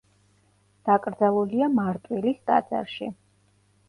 დაკრძალულია მარტვილის ტაძარში.